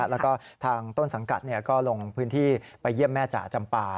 แล้วก็ทางต้นสังกัดก็ลงพื้นที่ไปเยี่ยมแม่จ๋าจำปา